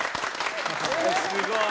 すごい。